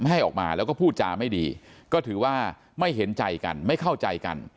ให้ออกมาแล้วก็พูดจาไม่ดีก็ถือว่าไม่เห็นใจกันไม่เข้าใจกัน